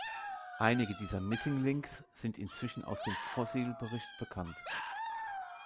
Einige dieser Missing Links sind inzwischen aus dem Fossilbericht bekannt.